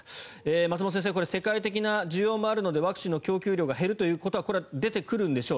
松本先生これ、世界的な需要もあるのでワクチンの供給量が減るということは出てくるんでしょう。